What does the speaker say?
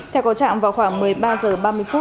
theo cầu trạng vào khoảng một mươi ba h ba mươi